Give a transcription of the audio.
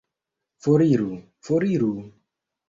Foriru! Foriru!